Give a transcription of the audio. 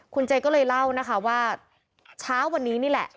คุณเจก็เลยเล่านะคะว่าเช้าวันนี้นี่แหละ